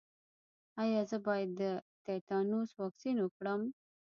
ایا زه باید د تیتانوس واکسین وکړم؟